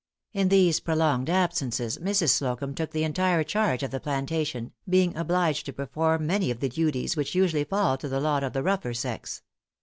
In these prolonged absences, Mrs. Slocumb took the entire charge of the plantation, being obliged to perform many of the duties which usually fall to the lot of the rougher sex.